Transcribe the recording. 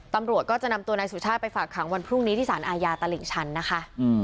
ตำรวจก็จะนำตัวนายสุชาติไปฝากขังวันพรุ่งนี้ที่สารอาญาตลิ่งชันนะคะ